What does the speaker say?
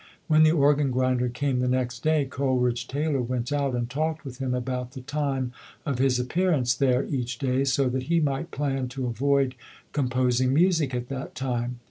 When the organ grinder came the next day, Coleridge Taylor went out and talked with him about the time of his appearance there each day so that he might plan to avoid composing music at that time.